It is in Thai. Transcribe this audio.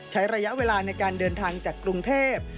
ใช้ระยะเวลาในการเดินทางจากกรุงเทพ